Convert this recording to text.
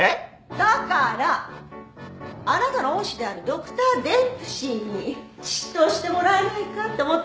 だから！あなたの恩師であるドクターデンプシーに執刀してもらえないかって思ってるのよ。